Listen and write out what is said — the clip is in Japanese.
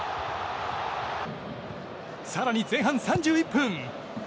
更に、前半３１分。